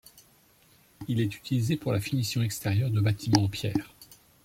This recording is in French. Il est utilisé pour la finition extérieure de bâtiments en pierre.